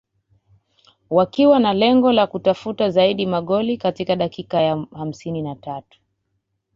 wakiwa na lengo la kutafuta zaidi magoli katika dakika ya hamsini na tatu